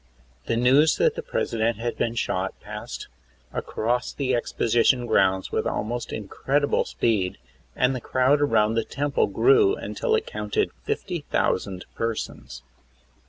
The news that the President had been shot passed across the exposition grounds with almost incredible speed, and the crowd around the Temple grew until it counted 50,000 persons.